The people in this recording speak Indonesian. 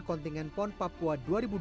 kontingen pon papua dua ribu dua puluh